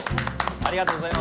ありがとうございます。